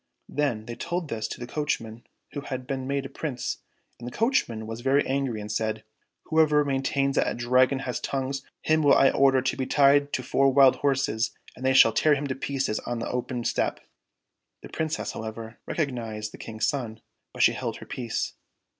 " Then they told this to the coachman, who had been made a Prince, and the coachman was very angry and said, " Whoever maintains that a Dragon has tongues, him will I order to be tied to four wild horses, and they shall tear him to pieces on the open steppe !" The Princess, however, recognized the King's son, but she held her peace.